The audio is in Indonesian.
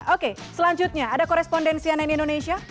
oke selanjutnya ada korespondensi yang lain di indonesia